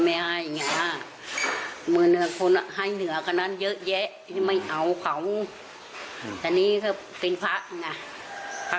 เขาใส่โตงให้เลยเท่าไรครับแสนนึง๑๐๐๐๐๐บาท